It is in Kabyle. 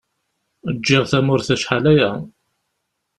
Ǧǧiɣ tamurt acḥal aya.